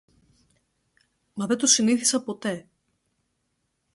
Μα δεν το συνήθισα ποτέ.